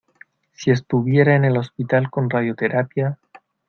si estuviera en el hospital con radioterapia...